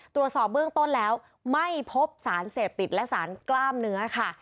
ตรวจสอบเบื้องต้นแล้วไม่พบสารเสพติดและสารกล้ามเนื้อค่ะ